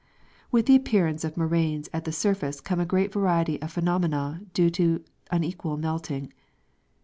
With the appearance of moraines at the surface come a great variety of phenomena due to unequal melting.